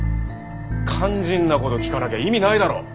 肝心なこと聞かなきゃ意味ないだろ。